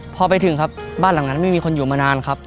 พอไปถึงครับบ้านหลังนั้นไม่มีคนอยู่มานานครับ